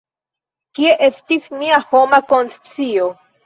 Kie estis mia homa konscio?